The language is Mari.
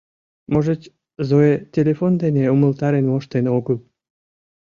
Можыч, Зоя телефон дене умылтарен моштен огыл.